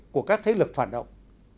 của các thế lực phản động